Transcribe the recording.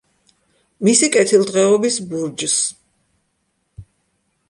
მისი კეთილდღეობის ბურჯს.